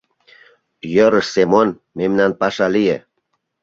Йӧрыш, Семон, мемнан паша лие.